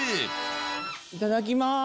いただきます